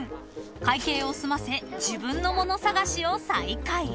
［会計を済ませ自分のもの探しを再開］